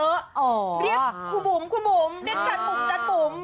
เรียกคุณบุ่มนี่จักบุ่ม